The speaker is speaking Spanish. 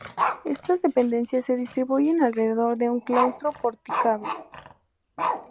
Estas dependencias se distribuyen alrededor de un claustro porticado.